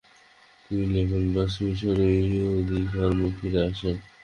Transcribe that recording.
তিনি লেভান্ট বা মিশরে ইহুদি ধর্মে ফিরে আসেন।